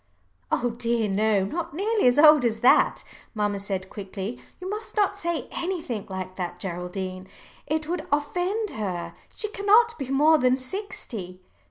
"Oh dear no, not nearly as old as that," mamma said quickly. "You must not say anything like that, Geraldine. It would offend her. She cannot be more than sixty."